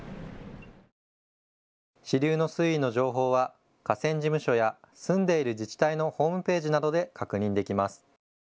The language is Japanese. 支流の水位の情報は河川事務所や住んでいる自治体のホームページなどで確認できます。